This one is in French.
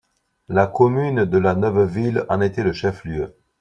La commune de La Neuveville en était le chef-lieu.